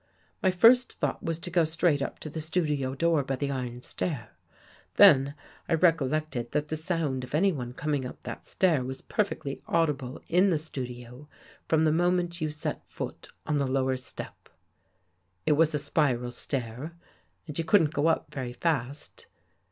My first thought was to go straight up to the studio door by the iron stair. Then I recollected that the sound of anyone coming up that stair was perfectly audible in the studio from the moment you set foot on the lowest step. It was a spiral stair and you couldn't go up very fast.